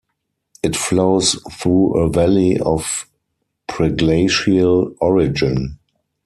It flows through a valley of preglacial origin.